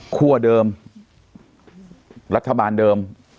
ครัวเดิมรัฐบาลเดิม